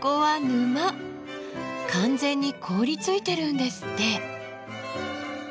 完全に凍りついてるんですって。